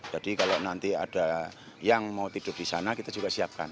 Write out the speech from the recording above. jadi kalau nanti ada yang mau tidur di sana kita juga siapkan